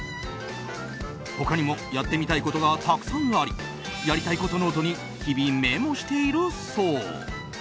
他にもやってみたいことがたくさんありやりたいことノートに日々、メモしているそう。